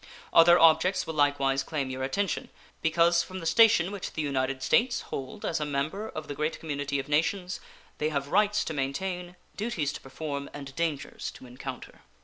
Other objects will likewise claim your attention, because from the station which the United States hold as a member of the great community of nations they have rights to maintain, duties to perform, and dangers to encounter.